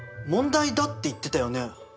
問題だって言ってたよね？